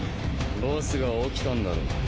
ボスが起きたんだろう。